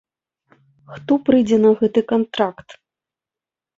Хто прыйдзе на гэты кантракт?